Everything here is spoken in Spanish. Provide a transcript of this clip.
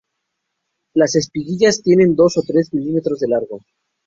Las espiguillas tienen dos o tres milímetros de largo.